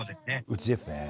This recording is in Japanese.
うちですね。